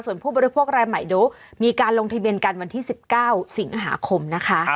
ส่วนผู้บริโภครายใหม่เดี๋ยวมีการลงทะเบียนกันวันที่๑๙สิงหาคมนะคะ